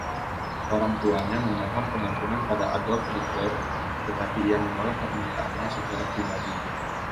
Orangtuanya memohon pengampunan pada Adolf Hitler, tetapi ia menolak permintaannya secara pribadi.